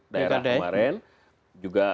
daerah kemarin bukan ada ya juga